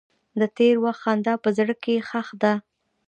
د تېر وخت خندا په زړګي کې ښخ ده.